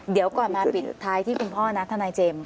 เดี๋ยวก่อนมาปิดท้ายที่คุณพ่อนะทนายเจมส์